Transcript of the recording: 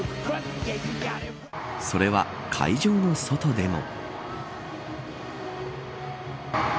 それは会場の外でも。